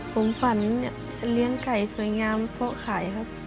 ผมฝันเลี้ยงไก่สวยงามเพราะขายครับ